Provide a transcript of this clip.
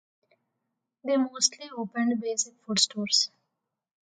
They mostly opened basic food stores.